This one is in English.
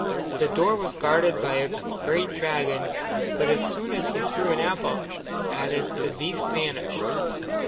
The door was guarded by a great dragon, but as soon as he threw an apple at it, the beast vanished.